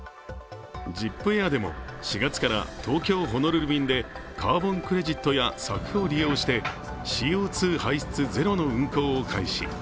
ＺＩＰＡＩＲでも４月から東京−ホノルル便でカーボンクレジットやＳＡＦを利用してＣＯ２排出ゼロの運航を開始。